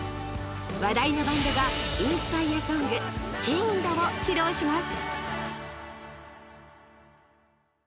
話題のバンドがインスパイアソングＣｈａｉｎｅｄを披露します。